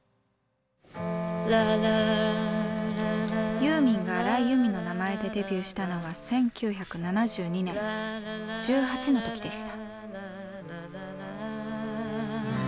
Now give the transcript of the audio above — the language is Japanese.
ユーミンが荒井由実の名前でデビューしたのは１９７２年１８の時でした。